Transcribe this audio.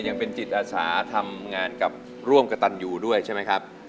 ยังเป็นจิตอาสาทำงานกับร่วมกระตันอยู่ด้วยใช่ไหมครับ